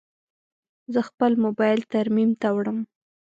زه خپل موبایل ترمیم ته وړم.